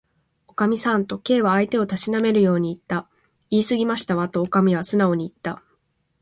「おかみさん」と、Ｋ は相手をたしなめるようにいった。「いいすぎましたわ」と、おかみはすなおにいった。